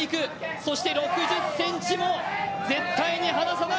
そして６０ｃｍも絶対に離さない。